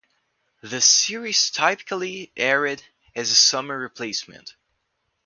The series typically aired as a summer replacement.